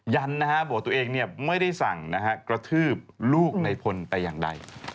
ยันนะฮะบอกตัวเองไม่ได้สั่งนะฮะกระทืบลูกในพลแต่อย่างใด